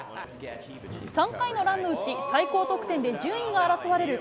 ３回のランのうち、最高得点で順位が争われる